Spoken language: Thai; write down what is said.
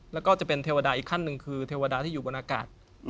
แล้วก็จะเป็นเทวดาอีกขั้นหนึ่งคือเทวดาที่อยู่บนอากาศ